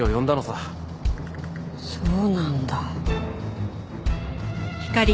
そうなんだ。